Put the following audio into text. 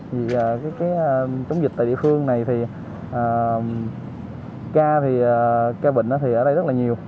vì cái chống dịch tại địa phương này thì ca bệnh ở đây rất là nhiều